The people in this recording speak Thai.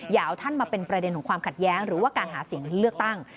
อย่าเอาท่านมาเป็นประเด็นของความขัดแย้งหรือว่าการหาเสียงเลือกตั้ง